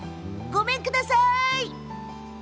ごめんください！